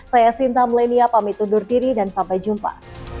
saya sinta melenia pamit undur diri dan sampai jumpa